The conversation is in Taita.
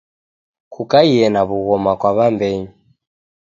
Kukaie na w'ughoma kwa w'ambenyu